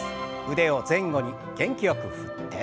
腕を前後に元気よく振って。